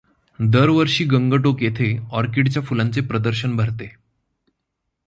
दरवर्षी गंगटोक येथे ऑर्किडच्या फुलांचे प्रदर्शन भरते.